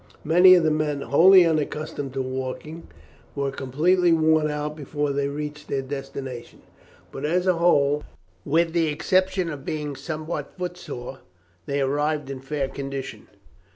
Many of the men, wholly unaccustomed to walking, were completely worn out before they reached their destination, but as a whole, with the exception of being somewhat footsore, they arrived in fair condition.